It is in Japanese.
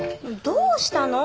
「どうしたの？」